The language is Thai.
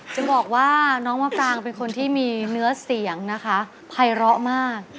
จะบอกว่าน้องมะปรางเป็นคนที่มีเนื้อเสียงนะคะภัยร้อมาก